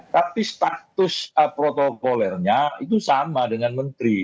tapi status protokolernya itu sama dengan menteri